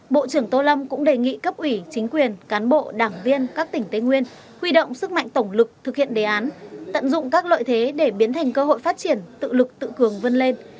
bộ trưởng tô lâm cũng đề nghị cấp ủy chính quyền cán bộ đảng viên các tỉnh tây nguyên huy động sức mạnh tổng lực thực hiện đề án tận dụng các lợi thế để biến thành cơ hội phát triển tự lực tự cường vân lên